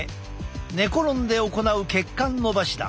寝転んで行う血管のばしだ。